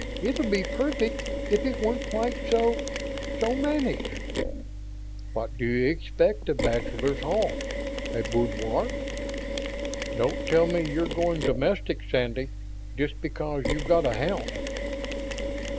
It'd be perfect if it weren't quite so ... so mannish." "What do you expect of Bachelors' Hall a boudoir? Don't tell me you're going domestic, Sandy, just because you've got a house?"